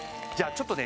ちょっとね